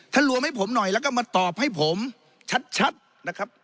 รวมให้ผมหน่อยแล้วก็มาตอบให้ผมชัดนะครับ